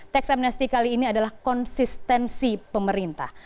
teks amnesty kali ini adalah konsistensi pemerintah